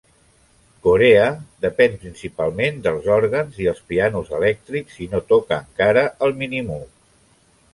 Corea depèn principalment dels òrgans i els pianos elèctrics, i no toca encara el Minimoog.